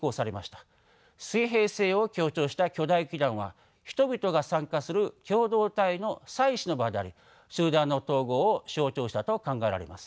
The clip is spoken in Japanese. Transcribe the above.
水平性を強調した巨大基壇は人々が参加する共同体の祭祀の場であり集団の統合を象徴したと考えられます。